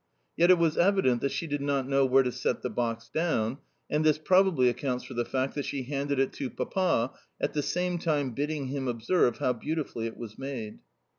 Yet it was evident that, she did not know where to set the box down, and this probably accounts for the fact that she handed it to Papa, at the same time bidding him observe how beautifully it was made.